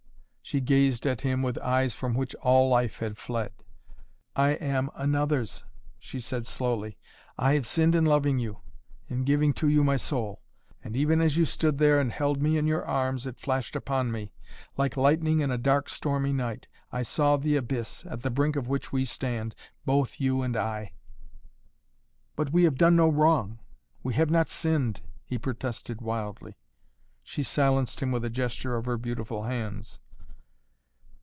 She gazed at him, with eyes from which all life had fled. "I am another's," she said slowly. "I have sinned in loving you, in giving to you my soul. And even as you stood there and held me in your arms, it flashed upon me, like lightning in a dark stormy night I saw the abyss, at the brink of which we stand, both, you and I." "But we have done no wrong we have not sinned," he protested wildly. She silenced him with a gesture of her beautiful hands.